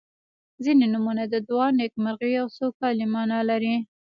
• ځینې نومونه د دعا، نیکمرغۍ او سوکالۍ معنا لري.